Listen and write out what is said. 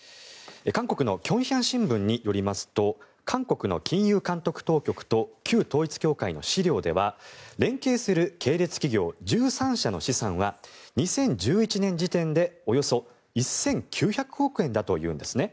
韓国の京郷新聞によりますと韓国の金融監督当局と旧統一教会の資料では連携する系列企業１３社の資産は２０１１年時点でおよそ１９００億円だというんですね。